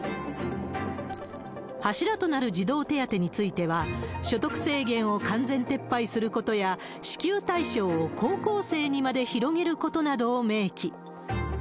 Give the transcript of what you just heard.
柱となる児童手当については、所得制限を完全撤廃することや、支給対象を高校生にまで広げることなどを明記。